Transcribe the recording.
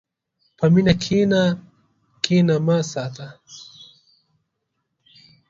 په مینه کښېنه، کینه مه ساته.